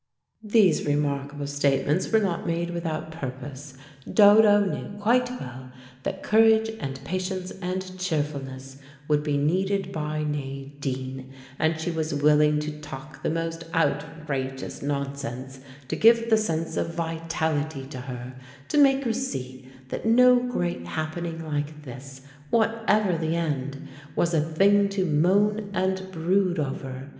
These remarkable statements were not made without purpose. Dodo knew quite well that courage and patience and cheerfulness would be needed by Nadine, and she was willing to talk the most outrageous nonsense to give the sense of vitality to her, to make her see that no great happening like this, whatever the end, was a thing to moan and brood over.